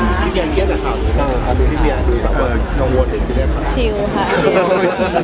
เคยบอกว่าเค้าเคยเจอเรา